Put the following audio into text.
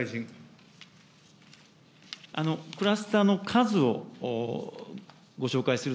クラスターの数をご紹介する